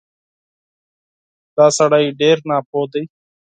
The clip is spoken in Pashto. دا سړی ډېر ناپوه دی